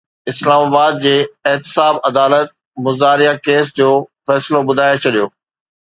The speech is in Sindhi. اسلام آباد جي احتساب عدالت مضاربہ ڪيس جو فيصلو ٻڌائي ڇڏيو